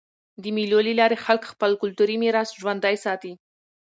د مېلو له لاري خلک خپل کلتوري میراث ژوندى ساتي.